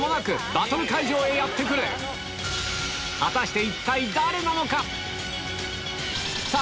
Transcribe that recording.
今果たして一体誰なのか⁉さぁ